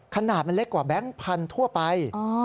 ขนาดมันเล็กกว่าแบงค์พันธุ์ทั่วไป